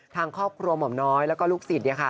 ทางครอบครัวหม่อมน้อยแล้วก็ลูกศิษย์